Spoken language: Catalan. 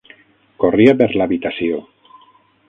Corria per l'habitació.